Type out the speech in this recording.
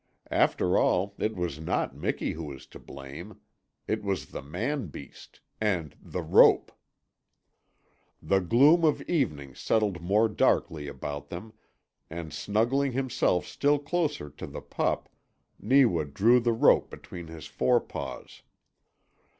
After all, it was not Miki who was to blame. It was the man beast and THE ROPE! The gloom of evening settled more darkly about them, and snuggling himself still closer to the pup Neewa drew the rope between his fore paws.